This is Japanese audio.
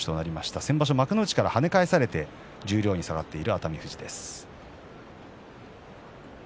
先場所、幕内で跳ね返されて十両に下がっている熱海富士です。